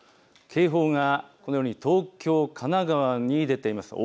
警報がこのように東京、神奈川に出ています。